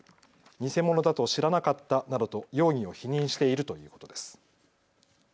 偽物だと知らなかったなどと容疑を否認しているということです。